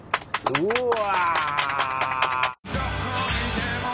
うわ！